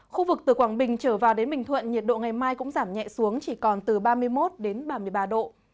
khu vực từ quảng bình trở vào đến bình thuận nhiệt độ ngày mai cũng giảm nhẹ xuống chỉ còn từ ba mươi một đến ba mươi ba độ